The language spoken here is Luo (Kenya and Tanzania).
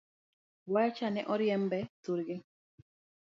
Wayacha ne oriembe thurgi?